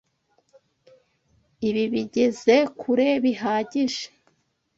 Ibi bigeze kure bihagije.